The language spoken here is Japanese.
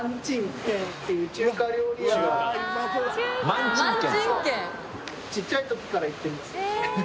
萬珍軒？